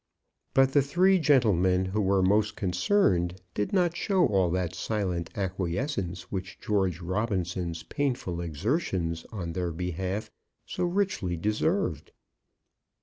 But the three gentlemen who were most concerned did not show all that silent acquiescence which George Robinson's painful exertions on their behalf so richly deserved.